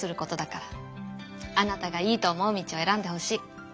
あなたがいいと思う道を選んでほしい。